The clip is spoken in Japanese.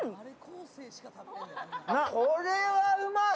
これはうまい。